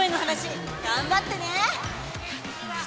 頑張ってね。